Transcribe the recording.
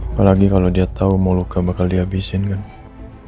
apalagi kalo dia tau mau luka bakal dihabisin kan